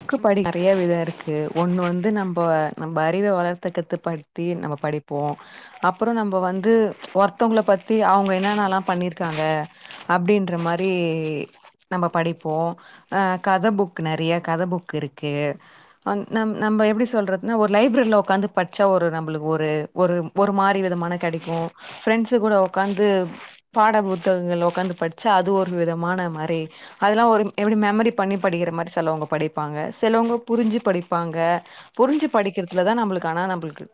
book படி நறைய விதோ இருக்கு ஒண்ணு வந்து நம்போ நம்ப அறிவ வளத்தக்கத்து ப த்தி நம்போ படிப்போ அப்புறோ நம்போ வந்து ஒருத்தோவங்கள பத்தி அவுங்க என்னன்னல்லா பண்ணிருக்காங்க அப்டீன்ற மாரி நம்ப படிப்போ அ கத புக்கு நறைய கத புக்கு இருக்கு அந் நம் நம்ப எப்டி சொல்றதுனா ஒரு லைப்ரரில ஒக்காந்து பட்ச்சா ஒரு நம்புளுக்கு ஒரு ஒரு ஒரு மாறி விதமான கடிக்கோ ஃப்ரெண்ட்ஸு கூட ஒக்காந்து பாட புத்தகங்கள் ஒக்காந்து பட்ச்சா அது ஒரு விதமான மாரி அதெல்லா ஒரு எப்டி மெமரி பண்ணி படிக்கிற மாரி செலவுங்க படிப்பாங்க செலவங்க புரிஞ்சி படிப்பாங்க புரிஞ்சி படிக்கிறதுலதா நம்புளுக்கு ஆனா நம்புளுக்கு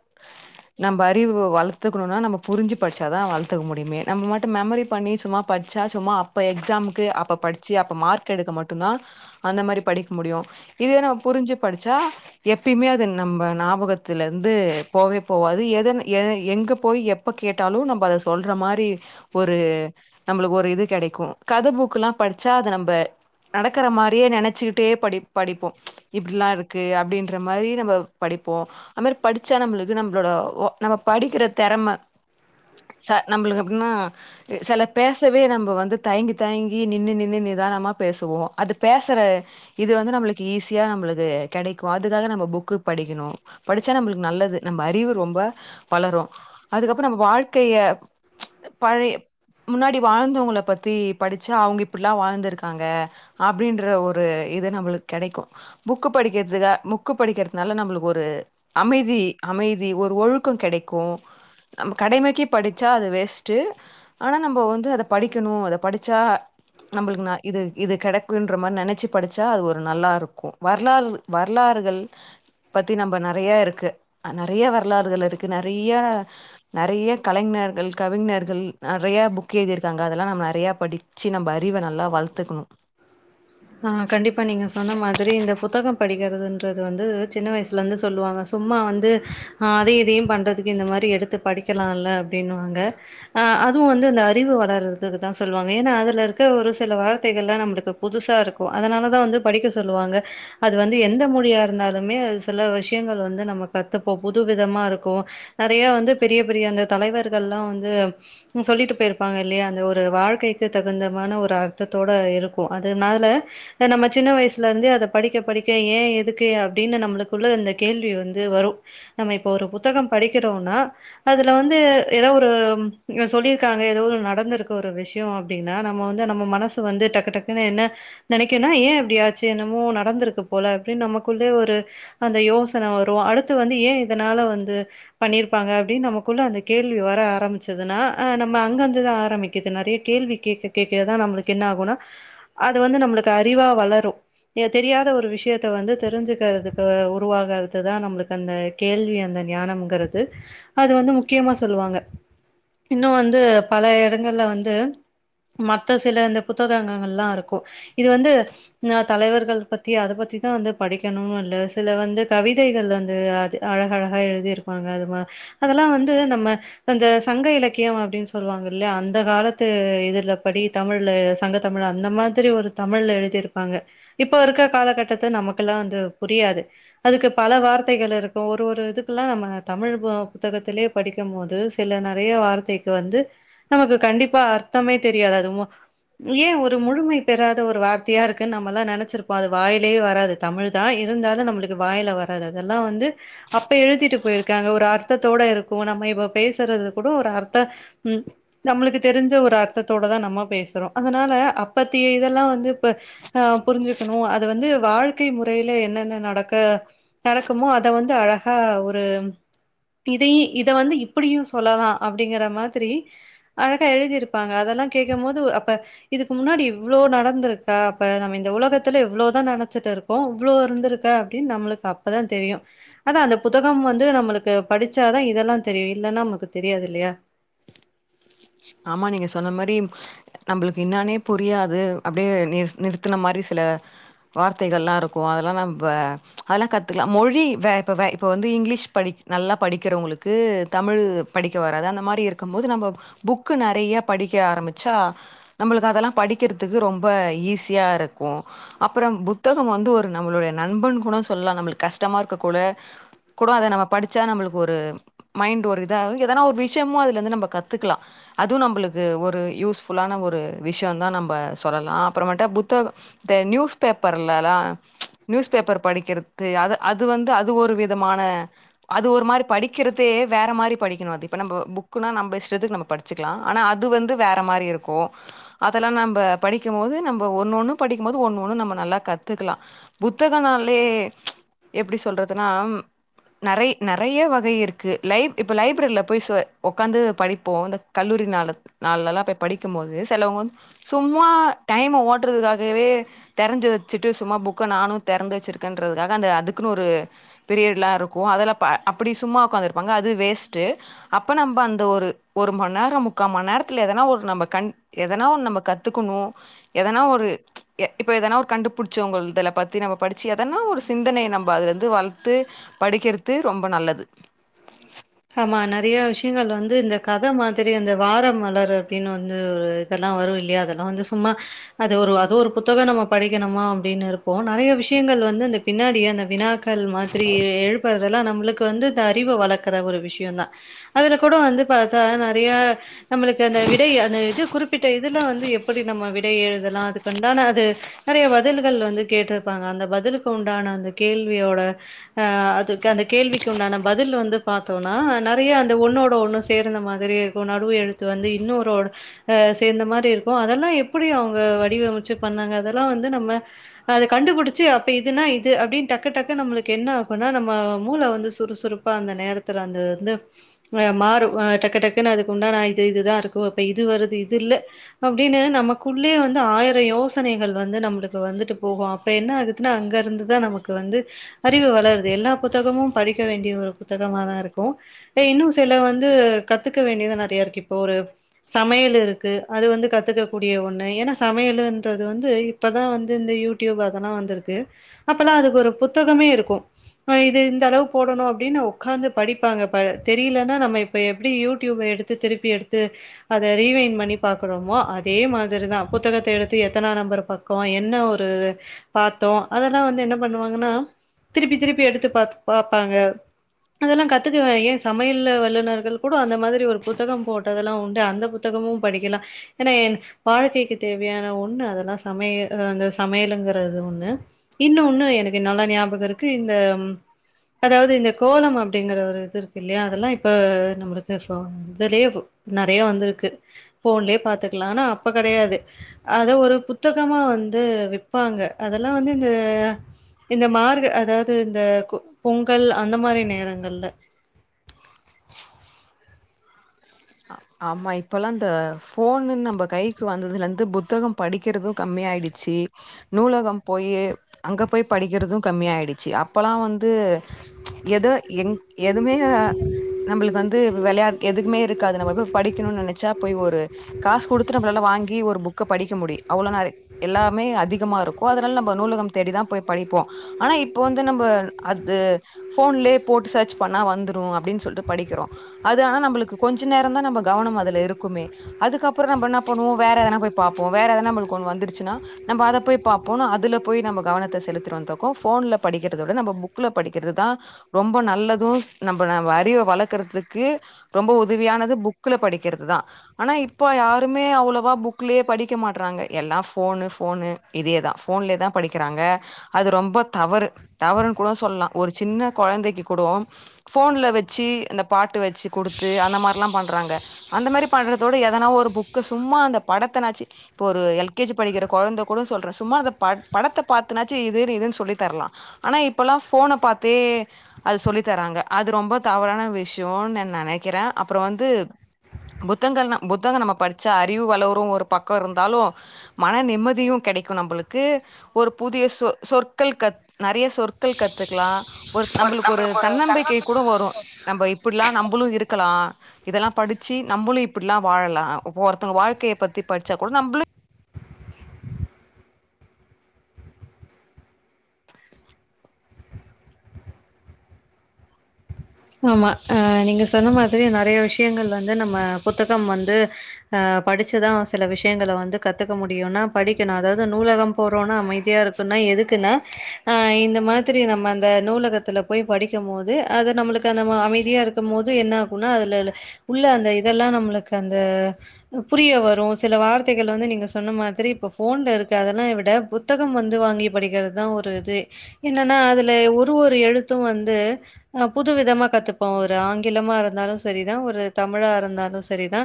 நம்ம அறிவு வளர்த்துக்கணுனா நம்ம புரிஞ்சி படிச்சா தா வளத்துக்க முடியுமே நம்ம மட்டு மெமரி பண்ணி சும்மா பட்ச்சா சும்மா அப்ப எக்ஸாமுக்கு அப்ப படிச்சு அப்ப மார்க் எடுக்க மட்டுந்தா அந்த மாரி படிக் முடியோ இதுவே நம்ம புரிஞ்சி படிச்சா எப்பையுமே அது நம்ம ஞாபகத்துல இருந்து போவவே போவாது எத எங்க போய் எப் ப கேட்டாலு நம்ப அத சொல்ற மாரி ஒரு நம்புளுக்கு ஒரு இது கெடைக்கோ கத புக்குலா படிச்சா அது நம்ப நடக்கற மாரியே நெனச்சி ட்டே படிப் படிப்போ இப்புடிலா இருக்கு அப்டீன்ற மாரி நம்ம படிப்போ அந்தமாரி படிச்சா நம்புளுக்கு நம்பளோட நம்ம படிக்கிற தெறம ச நம்புளுக்கு எப்டீன்னா செல பேசவே நம்போ வந்து தயங்கி தயங்கி நின்னு நின்னு நிதானமா பேசுவோ அது பேசுற இது வந்து நம்புளுக்கு ஈஸியா நம்புளுக்கு கெடைக்கோ அதுக்காக நம்ப புக்கு படிக்கணோ படிச்சா நம்புளுக்கு நல்லது நம்ம அறிவு ரொம்ப பளரோ அதுக்கப்புறோ நம்ம வாழ்க்கைய பழைய முன்னாடி வாழ்ந்தவுங்கள பத்தி படிச்சா அவுங்க இப்டிலா வாழ்ந்திருக்காங்க அப்டீன்ற ஒரு இது நம்புளுக்கு கெடைக்கோ புக்கு படிக்கிறதுக்கா புக்கு படிக்கிறதுனால நம்புளுக்கு ஒரு அமைதி அமைதி ஒரு ஒழுக்கோ கெடைக்கோ நம்ம கடைமைக்கே படிச்சா அது வேஸ்ட்டு ஆனா நம்போ வந்து அத படிக்கணோ அத படிச்சா நம்பளுக்கு நா இது இது கெடைக்குன்ற மார் நெனச்சி படிச்சா அது ஒரு நல்லா இருக்கு வரலாறு வரலாறுகள் பத்தி நம்ப நெறைய இருக்கு நெறைய வரலாறுகள் இருக்கு நெறைய நெறைய கலைஞர்கள் கவிஞர்கள் நெறையா புக் எழுதியிருக்காங்க அதெல்லா நம்ம நெறையா படிச்சி நம்ப அறிவ நல்லா வள்த்துக்கனு ஆ கண்டிப்பா நீங்க சொன்ன மாதிரி இந்த புத்தகம் படிக்கிறது றது வந்து சின்ன வயசுலந்து சொல்லுவாங்க சும்மா வந்து ஆ அதையு இதையு பண்றதுக்கு இந்த மாரி எடுத்து படிக்கலால்ல அப்டின்னுவாங்க அ அதுவு வந்து இந்த அறிவு வளர்றதுக்கு தா சொல்வாங்க ஏனா அதுல இருக்க ஒரு சில வார்த்தைகள்லா நம்மளுக்கு புதுசு தா இருக்கு அதனால தா வந்து படிக்க சொல்லுவாங்க அது வந்து எந்த மொழியா இருந்தாலுமே அது சில விஷ்யங்கள் வந்து நம்ம கத்துப்போ புது விதமா இருக்கு நெறைய வந்து பெரிய பெரிய அந்த தலைவர்கல்லா வந்து ம் சொல்லிட்டு போய்ருப்பாங்க இல்லையா அந்த ஒரு வாழ்க்கைக்கு தகுந்தமான ஒரு அர்த்தத்தோட இருக்கு அ துனால இப்ப நம்ம சின்ன வயசுல இருந்து அத படிக்க படிக்க ஏ எதுக்கு அப்டின்னு நம்மளுக்குள்ள இந்த கேள்வி வந்து வரு நம்ம இப்ப ஒரு புத்தகோ படிக்கிறோனா அதுல வந்து ஏதோ ஒரு சொல்லிர்க்காங்க ஏதோ ஒரு நடந்திருக்கு ஒரு விஷ் டியு அப்டினா நம்ம வந்து நம்ம மனச வந்து டக்கு டக் பின்ன என்ன நெனைக்கனா ஏ அப்டி ஆச்சி என்னமோ நடந்திருக்கு போல அப்டின் நமக்குள்ளேயே ஒரு அந்த யோசன வரு அடுத்து வந்து ஏ இதனால வந்து பண்ணிருப்பாங்க அப்படின் நமக்குள்ள அந்த கேள்வி வர ஆரம்பிச்சதுனா அ நம்ம அங்க வந்துதா ஆரம்பிக்குது நெறைய கேள்வி கேக்க கேக்க தா நம்பளுக்கு என்ன ஆகுனா அது வந்து நம்ளுக்கு அறிவா வளரு தெரியாத ஒரு விஷியத்த வந்து தெரிஞ்சிக்கிறதுக்கு உருவாகறது தா நம்ளுக்கு அந்த கேள்வி அந்த ஞானம்ங்கிறது அது வந்து முக்கியமா சொல்லுவாங்க இன்னு வந்து பல எடங்கள்ல வந்து மத்த சில இந்த புத்தகங்கங்கள்லாருக் கு இது வந்து நா தலைவர்கள் பத்தி அத பத்திதா வந்து படிக்கனு இல்ல சில வந்து கவிதைகள் வந்து அது அழகழகா எழுதிருப்பாங்க அது மா அதெல்லா வந்து நம்ம அந்த சங்க இலக்கியம் அப்டின் சொல்லுவாங் இல்லையா அந்த காலத்து இதுல படி தமிழு சங்க தமிழு அந்த மாத் செரி ஒரு தமிழ்ல எழுதிருப்பாங்க இப்ப இருக்கற கால கட்டத்த நமக்கெல்லா வந்து புரியாது அதுக்கு பல வார்த்தைகள் இருக்கு ஒரு ஒரு இதுக்குலா நம்ம தமிழ் போ புத்தகத்திலேயே படிக்கு போது சில நெறைய வார்த்தைக்கு வந்து நமக்கு கண்டிப்பா அர்த்தமே தெரியாது அது ஏ ஒரு முழுமை பெறாத ஒரு வார்த்தையா இருக்கு நம்மல்லா நெனைச்சிருப்போ அது வாயிலேயே வராது தமிழ் தா இருந்தாலு நம்மளுக்கு வாயில வர அது அதெல்லா வந்து அப்ப எழுதிட்டு போய்ருக்காங்க ஒரு ஆர் த்தத்தோட இருக்கு நம்ம இப்ப பேசறது கூட ஒரு அர்த்த ம் நம்மளுக்கு தெரிஞ்ச ஒரு அர்த்தத் தோட தா நம்ம பேசுறோ அதனால அப்பத்திய இதெல்லா வந்து இப்ப ஆ புரிஞ்சுக்கனு அது வந்து வாழ்க்கை முறையில என்னென்ன நடக்க நடக்குமோ அத வந்து அழகா ஒரு இதையு இத வந்து இப்படியு சொல்லலா அப்படிங்கற மாதிரி அழகா எழுதிருப்பாங்க அதெல்லா கேக்க போது அப்ப இதுக்கு முன்னாடி இவ்ளோ நடந்துருக்கா அப்ப நம்ம இந்த உலகத்தில இவ்ளோ தா நெனச்சிட் இருக்கோ இவ்ளோ இருந்துருக்கா அப்டின் நம்ளுக் அப் தா தெரியு அதா அந்த புத்தக உலகம் வந்து நம்மளுக்கு படிச்சாதா இதெல்லா தெரியு இல்லனா நமக்கு தெரியாது இல்லையா ஆமா நீங்க சொன்ன மாரி நம்மளுக்கு என்னானே புரியாது அப்டியே நி நிறுத்தின மாரி சில வார்த்தைகள்லா இருக்கு அதெலா நம்ம அதெல்லா கத்துக்கலா மொழி வே இப்ப இப்ப வந்து இங்கிலீஷ் படி நல்லா படிக்கிறவங்களுக்கு தமிழு படிக்க வராது அந்த மாரி இருக்கு போது நம்ம புக்கு நெறையா படிக்க ஆரம்பிச்சா நம்மளுக்கு அதெல்லா படிக்கிறதுக்கு ரொம்ப ஈஸியா இருக்கு அப்புறோ புத்தகம் வந்து ஒரு நம்மளுடைய நண்பன் கூட சொல்லலா நம்மளுக்கு கஷ்டமா இருக்க கூட கூட அத நம்ம படித்தா நம்மளுக்கு ஒரு மைண்ட் ஒரு இதாகு எதனா ஒரு விஷயமோ அதுல இருந்து நம்ம கத்துக்கலா அதுவு நம்மளுக்கு ஒரு யூஸ் ஃபுல்லான ஒரு விஷயம் தா நம்ம சொல்லலா அப்புறமேட்ட புத்தக இந்த நியூஸ் பேப்பர்ல எல்லா ம்ச் நியூஸ் பேப்பர் படிக்கிறது அது அது வந்து அது ஒரு விதமான அது ஒரு மாரி படிக்கிறதே வேற மாரி படிக்கணு அது இப்ப நம்ம புக்குனா நம்ம ஸ்டத்துக்கு நம்ம படிக் வச்சுக்கலா ஆனா அது வந்து வேற மாரி இருக்கு அதெல்லா நம்ப படிக்கும் போது நம்ப ஒன்னு ஒண்ணு படிக்கும் போது ஒண்ணு ஒண்ணு நம்ப நல்லா கத்துக்கலா புத்தகனாலே ம்ச் எப்டி சொல்றதுன்னா நெறை நெறையா வகை இருக்கு லைப் இப்போ லைப்ரரியில போய் உக்காந்து படிப்போ இந்த கல்லூரி நாள் நாள்லலா போய் படிக்கும் போது செலவங்க வந்து சும்மா டைம ஓட்டுறதுக்காகவே தெரந்து வச்சுட்டு சும்மா புக்க நானு தெறந்து வச்சிருக்கேன்றதுக்காக அந்த அதுக்குன்னு ஒரு பீரியட்லா இருக்கும் அதுல ப அப்டி சும்மா உக்காந்துருப்பாங்க அது வேஸ்ட்டு அப்ப நம்ப அந்த ஒரு ஒரு மணிநேரம் முக்கா மணி நேரத்துல எதனா ஒரு நம்ப கண் எதனா ஒன்னு நம்ப கத்துக்கணு எதனா ஒரு இப்ப எதனா ஒரு கண்டுபுடிச்சவங்க இதுல பத்தி நம்ப படிச்சு எதன்னா ஒரு சிந்தனையை நம்ப அதுல இருந்து வளத்து படிக்கிறத்து ரொம்ப நல்லது ஆமா நெறையா விஷயங்கள் வந்து இந்த கதை மாதிரி அந்த வார மலர் அப்டின்னு வந்து ஒரு இதெல்லா வரு இல்லையா அதெல்லா வந்து சும்மா அது ஒரு அது ஒரு புத்தகம் நம்ப படிக்கணுமா அப்டின்னு இருப்போம் நெறையா விஷயங்கள் வந்து இந்த பின்னாடி அந்த வினாக்கள் மாதிரி எழுப்புறதெல்லா நம்பளுக்கு வந்து இந்த அறிவு வளக்க கற ஒரு விஷயம் தா அதுல கூட வந்து பாத்தா நெறையா நம்மளுக்கு அந்த விடை அந்த இது குறிப்பிட்ட இதுல வந்து எப்டி நம்ப விடை எழுதலா அதுக்கு உண்டான அது நெறையா பதில்கள் வந்து கேட்டுருப்பாங்க அந்த பதிலுக்கு உண்டான அந்த கேள்வியோட அ அதுக்கு அந்த கேள்விக்கு உண்டான பதில் வந்து பாத்தோன்னா நெறையா அந்த ஒன்னோட ஒன்னு சேர்ந்த மாதிரி இருக்கும் நடுவு எழுத்து வந்து இன்னொரு அ சேர்ந்த மாதிரி இருக்கு அதெல்லா எப்டி அவங்க வடிவமைச்சு பண்ணாங்க அதெல்லா வந்து நம்ம அத கண்டுபிடிச்சு அப்ப இதுனா இது அப்டின்னு டக்கு டக்குன்னு நம்மளுக்கு என்ன ஆகும்னா நம்ப மூள வந்து சுறுசுறுப்பு ப்ப அந்த நேரத்துல அந்த வந்து ஆ மாறு டக்கு டக்குன்னு அதுக்குண்டான நா இது இதுதா இருக்கும் அப்ப இது வருது இது இல்ல அப்டின்னு நமக்குள்ளே வந்து ஆயிரம் யோசனைகள் வந்து நம்பளுக்கு வந்துட்டு போகும் இப்ப என்ன ஆகுதுன்னா அங்க இருந்துதா நமக்கு வந்து அறிவு வளருது எல்லா புத்தகமும் படிக்க வேண்டிய ஒரு புத்தகமா தா இரு க்கும் இன்னு சில வந்து கத்துக்க வேண்டியது நெறையா இருக்கு இப்போ ஒரு சமையல் இருக்கு அது வந்து கத்துக்க கூடிய ஒண்ணு ஏன்னா சமையல்ன்றது வந்து இப்பதா வந்து இந்த யூடியூப் அதெல்லா வந்திருக்கு அப்பலா அதுக்கு ஒரு புத்தகமே இருக்கும் ஆ இது இந்த அளவு போடணு அப்டின்னு ஒக்காந்து படிப்பாங்க இப்ப தெரியலனா நம்ம இப்ப எப்டி யூடியூப்ப எடுத்து திருப்பி எடுத்து அத ரீவைண்ட் பண்ணி பாக்குறோமோ அதே மாதிரிதா புத்தகத்த எடுத்து எத்தனா நம்பர் பக் கோ என்ன ஒரு பாத்தோ அதெல்லா வந்து என்ன பண்ணுவாங்கனா திருப்பி திருப்பி எடுத்து பாத்து பாப்பாங்க அதெல்லா கத்துக்குவே ஏ சமையல்ல வல்லுநர்கள் கூட அந்த மாதிரி ஒரு புத்தகம் போட்டதெல்லா உண்டு அந்த புத் த்தகமு படிக்கலா ஏனா என் வாழ்க்கைக்கு தேவையான ஒன்னு அதெல்லா சமையல் அ அந்த சமையலுங்கிறது ஒன்னு இன்ன ஒன்னு எனக்கு நல்லா ஞாபக இருக்கு இந்த அதாவ்து இந்த கோலம் அப் ப்படிங்கிற ஒரு இது இருக்கு இல்லையா அதெல்லா இப்ப நம்மளுக்கு இப்போ இதுலேவு நெறையா வந்துருக்கு ஃபோன்லே பாத்துக்கலா ஆனா அப்ப கெடையாது அது ஒரு புத்தகமா வந்து விப்பாங்க அதெல்லா வந்து இந்த இந்த மார்க அதாவ்து இந்த கொ பொங்கல் அந்த மாரி நேரங்கள்ல ஆ ஆமா இப்பலா இந்த ஃபோன்னு நம்ப கைக்கு வந்ததுலருந்து புத்தக படிக்கிறது கம்மியாயிடு சச்சு நூலகம் போயி அங்க போய் படிக்கிறது கம்மியாயிடுச்சு அப் இப்பலா வந்து எதோ எங் எதுமே அ நம்மளுக்கு வந்து வெளையாட் எதுக்குமே இருக்காது நம்ம போய் படிக்கணுன் நெனச்சா போய் ஒரு காசு குடுத்து நம்மளால வாங்கி ஒரு புக்க படிக்க முடியு அவ்ளோ நெறை எல்லாமே அதிகமா இருக்கு அதனால நம்ம நூலகம் தேடிதா போய் படிப்போ ஆனா இப்ப வந்து நம்ப அது ஃபோன்லே போட்டு சர்ச் பண்ணா வந்துரு ரு அப்டின் சொல்ட்டு படிக்கிறோ அது ஆனா நம்பளுக்கு கொஞ்ச நேரந்தா நம்ம கவனம் அதுல இருக்குமே அதுக்கப்பற நம்ப என்ன பண்ணுவோ வேற எதுனா போய் பாப்போ வேற எதுனா நம்மளுக்கு ஒன்னு வந்துருச்சுனா நம்ப அத போய் பாப்போனானு அதுல போய் நம்ம கவனத்த செலுத்திட்டு வந்துருக்கோ ஃபோன்ல படிக்கிறத விட நம்ம புக்ல படிக்கிறதுதா ரொம்ப நல்லது நம்ப நா வ அறிவ வளக்கறத்துக்கு ரொம்ப உதவியானது புக்குல படிக்கிறது தா ஆனா இப்ப யாருமே அவளவா புக்லயே படிக்க மாட்றாங்க எல்லா ஃபோனு ஃபோனு இதேதா ஃபோன்லயே தா படிக்கிறாங்க அது ரொம்ப தவறு தவறுன் கூட சொல்லலா ஒரு சின்ன கொழந்தைக்கு கூடோ ஃபோன்ல வெச்சு இந்த பாட்டு வெச்சு குடுத்து அந்த மார்லா பண்றாங்க அந்த மாரி பண்றதோட எதனா ஒரு புக்கு சும்மா அந்த படத்தனாச்சு இப்ப ஒரு எல் கே ஜி படிக்கிற கொழந்த கூட சொல்றே சும்மா அத பட் படத்த பாத்துனாச்சு இதுன்னு இதுன்னு சொல்லித் தரலா ஆனா இப்பலா ஃபோன பாத்தே அது சொல்லி தராங்க அது ரொம்ப தவறான விஷ்யோன் நா நெனைக்கிறே அப்பற வந்து புத்தங்கள் நா புத்தக நம்ம படிச்சா அறிவு வளரு ஒரு பக்க இருந்தாலு மன நிம்மதியு கெடைக்கு நம்பளுக்கு ஒரு புதிய சொ சொற்கள் கத் நெறைய சொற்கள் கத்துக்கலா ஒரு நம்பளுக்கு ஒரு தன்னம்பிக்கை கூட வரு நம்ப இப்பிட்லா நம்பளு இருக்கலா இதெல்லா படிச்சு நம்மளு இப்பிட்லா வாழலா ஒருத்தவ்ங்க வாழ்கைய பத்தி படிச்சா கூட நம்பளு ஆமா ஆ நீங்க சொன்ன மாதிரி நெறைய விஷ்யங்கள் வந்து நம்ம புத்தகம் வந்து அ படிச்சுதா சில விஷ்யங்கள வந்து கத்துக்க முடியுனா படிக்கணு அதாவ்து நூலகம் போறோனா அமைதியா இருக் குனா எதுக்குனா ஆ இந்த மாதிரி நம்ம அந்த நூலகத்துல போய் படிக்கும் போது அத நம்மளுக் கு அந்த மா அமைதியா இருக்கும் போது என்ன ஆகுனா அதுலவுள்ள உள்ள அந்த இதெல்லா நம்மளுக்கு அந்த ம் புரிய வரு சில வார்த்தைகள் வந்து நீங்க சொன்ன மாதிரி இப்ப ஃபோன்ல இருக்கு அதெல்லா விட புத் த்தகம் வந்து வாங்கி படிக்கிறது தா ஒரு இதே என்னன்னா அதுலே ஒரு ஒரு எழுத்து வந்து அ புத் து விதமா கத்துப்போ ஒரு ஆங்கிலமா இருந்தாலு சரிதா ஒரு தமிழா இருந்தாலு சரிதா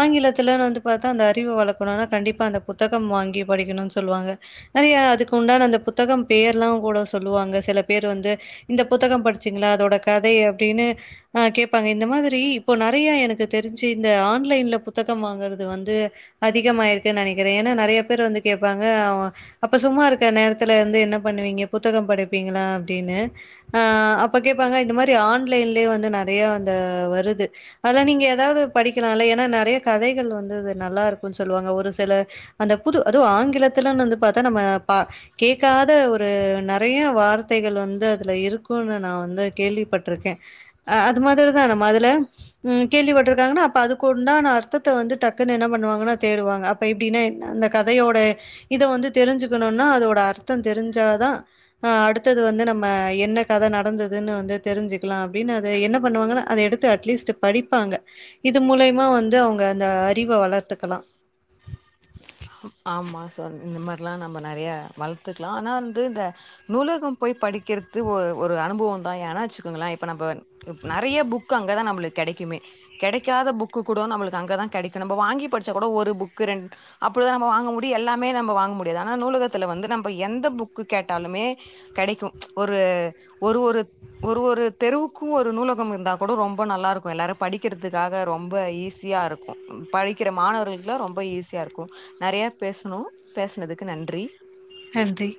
ஆங்கிலத்துலனு வந்து பாத்தா அந்த அறிவ வளக்கணுன்னா கண்டிப்பா அந்த புத்தகம் வாங்கி படிக்கணுன் சொல்வாங்க நறியா அதுக்கு உண்டான அந்த புத்தகம் பேர்லா கூட சொல்லுவாங்க சில பேர் வந்து இந்த புத்தக படிச்சீங்ளா அதோட கதை அப்டினு அ கேப்பாங்க இந்த மாதுரி இப்போ நறைய எனக்கு தெரிஞ்சு இந்த ஆன்லைன்ல புத்தகம் வாங்கற்து வந்து அதிகம் ஆயிர்க்குன் நெனக்கிறே ஏன்னா நறைய பேர் வந்து கேப்பாங்க அவுங்க அப்ப சும்மா இருக்க நேரத்துல வந்து என்ன பண்ணுவீங்க புத்தக படிப் பீங்ளா அப்டின்னு அ அப்ப கேப்பாங்க இத் மரி ஆன்லைன்லே வந்து நறையா அந்த வருது அதலா நீங்க எதாவ்து படிக்கிலால்ல ஏன்னா நறைய கதைகள் வந்து இது நல்லாருக்குன் சொல்வாங்க ஒரு செல அந்த புது அதுவு ஆங்கிலத்துலன் வந்து பாத்தா நம்ம பா கேக்காத ஒரு நறைய வார்த்தைகள் வந்து அதுல இருக்குனு நா வந் கேள்விப்பட்ருக்கே அ அது மாதுரிதா நம்ம அதுல ம் கேள்விப்பட்ருக்காங்னா அப்ப அதுக்கு உண்டான அர் தூத்த வந்து டக்குன் என்ன பண்ணுவாங்கன்னா தேடுவாங்க அப்ப எப்டின்னே அந்த கதையோட இத வந்து தெரிஞ்சுக்கணுன்னா அதோட அர்த்தந் தெரிஞ்சாதா அ அடுத்தது வந்து நம்ம என்ன கத நடந்தது துன்னு வந்து தெரிஞ்சுக்லா அப்டின் அத என்ன பண்ணுவாங்குனா அத எடுத்து அட்லீஸ்ட்டு படிப்பாங்க இது மூலய்மா வந்து அவ்ங்க அந்த அறிவ வளர்த்துக்கலா ஆமா சொன் இந்த மார்லா நம்ம நறைய வளத்துக்லா ஆனா வந்து த நூலகம் போய் படிக்கற்து ஒ ஒரு அனுபவந்தா ஏனா அச்சுக்கோங்ள இப்ப நம்ப நறைய ஃபுக் அங்கதா நம்ப்ளுக் கெடைக்குமே கெடைக்காத ஃபுக்கு கூட நம்முளுக்கு அங்கதா கெடக்கு நம்ப வாங்கி பட்ச்சா கூட ஒரு ஃபுக்கு ரெண்ட் அப்புடிதா நம்ப வாங்க முடி எல்லாமே நம்ப வாங் முடியாது ஆனா நூலகத்துல வந்து நம்ப எந்த ஃபுக்கு கேட்டாலுமே கெடைக்கு ஒரு ஒரு ஒரு ஒரு ஒரு தெருவு கு ஒரு நூலகம் இருந்தா கூட ரொம்ப நல்லாருக்கு எல்லாரு படிக்கிறதுக்காக ரொம்ப ஈஸியா இருக்கு படிக்கிற மாணவர்குல்லா ரொம்ப ஈஸியா இருக்கு நறைய பேசுணு பேசுனதுக்கு நன்றி ஹன்றி